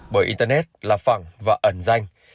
bởi internet là phẳng và ẩn danh